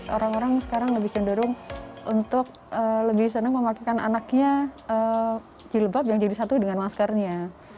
orang orang sekarang lebih cenderung untuk lebih senang memakaikan anaknya jilbab yang jadi satu dengan maskernya